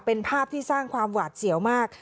เป็นภาพที่สร้างความหวาดเสียวมาก